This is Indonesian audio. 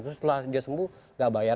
terus setelah dia sembuh gak bayar